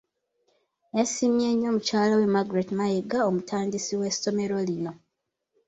Yasiimye nnyo mukyalawe Margret Mayiga omutandisi w'essomero lino.